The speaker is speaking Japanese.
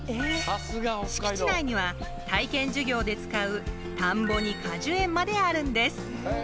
敷地内には、体験授業で使う田んぼに果樹園まであるんです。